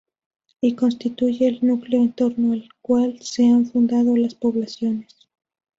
Y que constituye el núcleo en torno al cual se han fundado las poblaciones.